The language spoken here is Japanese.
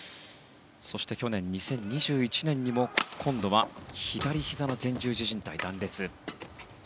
そして去年、２０２１年にも今度は左ひざの前十字じん帯断裂。